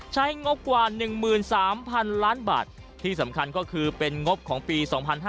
งบกว่า๑๓๐๐๐ล้านบาทที่สำคัญก็คือเป็นงบของปี๒๕๕๙